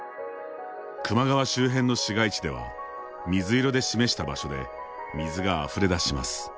球磨川周辺の市街地では水色で示した場所で水があふれ出します。